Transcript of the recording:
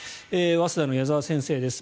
早稲田の矢澤先生です。